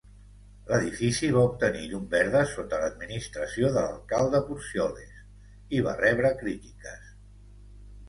L'edifici va obtenir llum verda sota l'administració de l'alcalde Porcioles i va rebre crítiques.